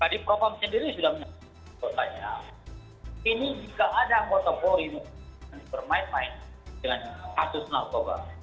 tadi profam sendiri sudah menyebut soalnya ini jika ada anggota polri yang bermain main dengan kasus narkoba